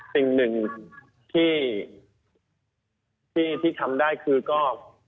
สิ่งหนึ่งที่ทำได้คือก็